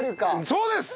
そうです！